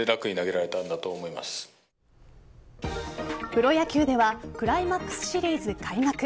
プロ野球ではクライマックスシリーズ開幕。